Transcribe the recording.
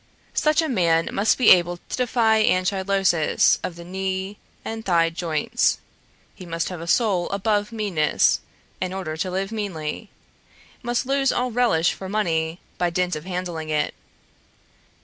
Such a man must be able to defy anchylosis of the knee and thigh joints; he must have a soul above meanness, in order to live meanly; must lose all relish for money by dint of handling it.